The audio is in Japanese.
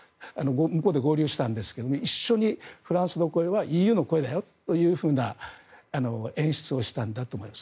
向こうで合流したんですが一緒に、フランスの声はＥＵの声だよというふうな演出をしたんだと思います。